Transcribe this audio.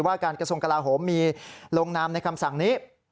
ว่าการกระทรวงกลาโหมมีลงนามในคำสั่งนี้